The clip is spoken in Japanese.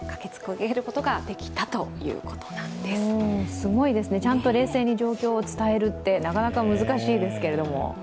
すごいですね、ちゃんと冷静に状況を伝えるってなかなか難しいですけれども。